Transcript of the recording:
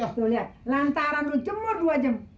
tuh liat lantaran lu jemur dua jam